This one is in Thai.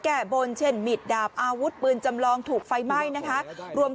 แก้บนเช่นหมิดดาบอาวุธปืนจำลองถูกไฟไหม้นะคะรวม